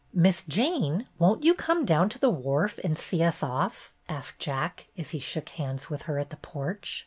"Miss Jane, won't you come down to the wharf and see us off?" asked Jack, as he shook hands with her at the porch.